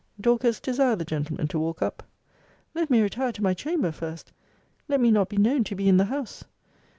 Dorcas, desire the gentleman to walk up. Let me retire to my chamber first! Let me not be known to be in the house!